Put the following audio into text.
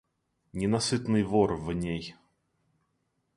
Ненасытный вор в ней.